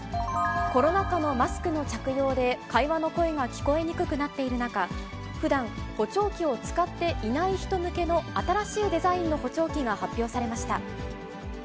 コロナ禍のマスクの着用で、会話の声が聞こえにくくなっている中、ふだん、補聴器を使っていない人向けの新しいデザインの補聴器が発表されました。